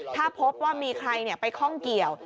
ถ้าพบว่ามีใครเนี่ยไปคล่องเกี่ยว